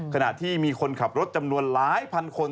ขณะที่มีคนขับรถจำนวนหลายพันคน